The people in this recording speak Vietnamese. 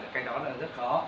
cái đó là rất khó